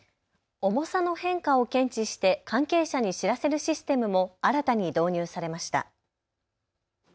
重さの変化を検知して関係者に知らせるシステムも新たに導入されました。